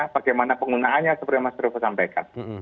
bagaimana penggunaannya seperti yang mas revo sampaikan